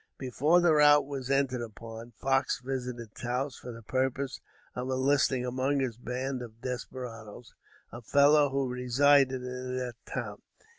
Before the route was entered upon, Fox visited Taos for the purpose of enlisting among his band of desperadoes, a fellow who resided in that town.